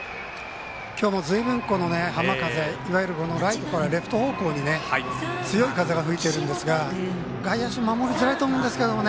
今日もずいぶん、浜風いわゆるライトからレフト方向に強い風が吹いているんですが外野手、守りづらいと思うんです。